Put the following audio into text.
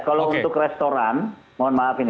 kalau untuk restoran mohon maaf ini